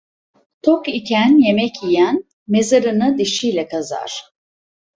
Tok iken yemek yiyen, mezarını dişiyle kazar.